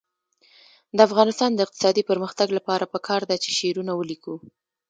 د افغانستان د اقتصادي پرمختګ لپاره پکار ده چې شعرونه ولیکو.